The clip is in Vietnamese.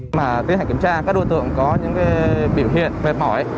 khi tiến hành kiểm tra các đối tượng có những biểu hiện mệt mỏi